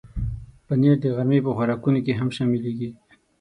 پنېر د غرمې په خوراکونو کې هم شاملېږي.